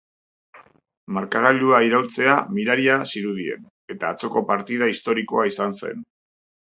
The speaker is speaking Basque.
Markagailua iraultzea miraria zirudien, eta atzoko partida historikoa izan zen.